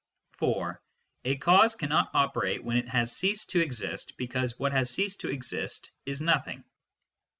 (4) f^A cause cannot operate when it has ceased to exist, because what has ceased to exist is nothing.